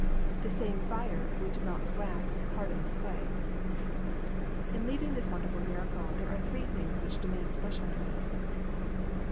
The same Are which melts wax hardens clay. In leaving this wonderftil miracle, there are three things which demand special notice.